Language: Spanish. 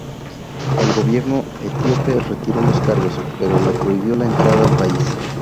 El gobierno etíope retiró los cargos, pero le prohibió la entrada al país.